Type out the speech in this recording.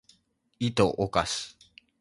いとをかし